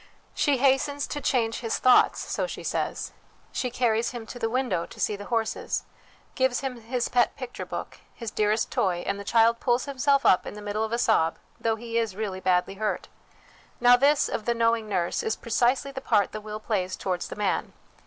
She hastens to 'change his thoughts/ so she says ; she carries him to the window to see the horses, gives him his pet picture book, his dearest toy, and the child pulls himself up in the middle of a sob, though he is really badly hurt. Now this, of the knowing nurse, is precisely the part the will plays towards the man.